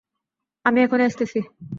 আমি এখনি আসতেছি।